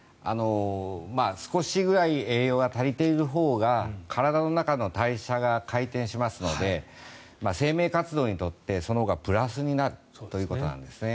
少しぐらい栄養が足りているほうが体の中の代謝が回転しますので生命活動にとって、そのほうがプラスになるということですね。